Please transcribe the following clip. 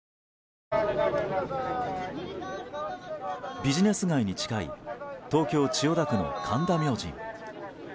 ビジネス街に近い東京・千代田区の神田明神。